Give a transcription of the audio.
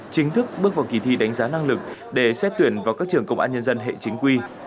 chính thức bước vào kỳ thi đánh giá năng lực để xét tuyển vào các trường công an nhân dân hệ chính quy